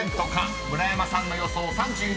［村山さんの予想３２％］